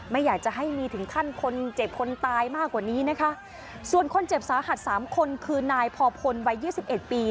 ไม่อยากจะให้มีถึงขั้นคนเจ็บคนตายมากกว่านี้นะคะส่วนคนเจ็บสาหัสสามคนคือนายพอพลวัยยี่สิบเอ็ดปี